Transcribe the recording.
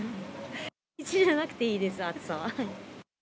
１位じゃなくていいです、暑さは。